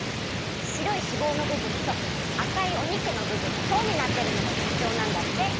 しろいしぼうのぶぶんとあかいお肉のぶぶんがそうになってるのがとくちょうなんだって。